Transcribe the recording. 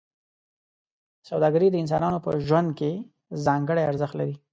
سوداګري د انسانانو په ژوند کې ځانګړی ارزښت لري.